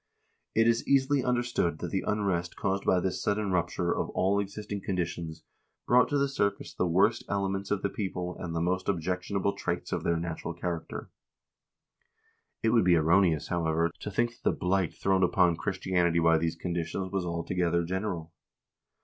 It is easily understood that the unrest caused by this sudden rupture of all existing conditions brought to the surface the worst elements of the people and the most objection able traits of their national character." * It would be erroneous, however, to think that the blight thrown upon Christianity by these conditions was altogether general.